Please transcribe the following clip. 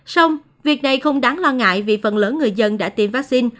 xong việc này không đáng lo ngại vì phần lớn người dân đã tiêm vaccine